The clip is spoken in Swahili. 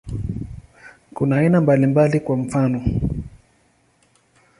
Kuna aina mbalimbali, kwa mfano.